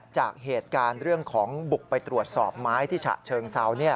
จากเหตุการณ์เรื่องของบุกไปตรวจสอบไม้ที่ฉะเชิงเซา